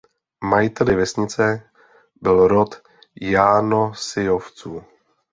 Majiteli vesnice byl rod Jánossyovců.